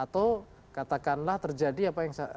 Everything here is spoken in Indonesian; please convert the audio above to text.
atau katakanlah terjadi apa yang mungkin saya sebut disini